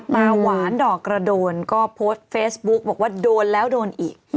หวานดอกกระโดนก็โพสต์เฟซบุ๊กบอกว่าโดนแล้วโดนอีก